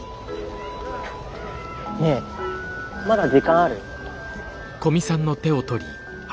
ねぇまだ時間ある？